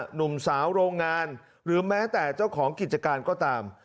หนุ่มสาวโรงงานหรือแม้แต่เจ้าของกิจการก็ตาม